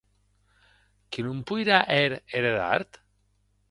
Qué non poirà hèr er edart?